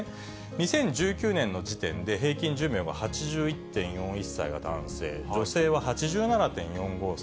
２０１９年の時点で平均寿命が８１．４１歳が男性、女性は８７．４５歳。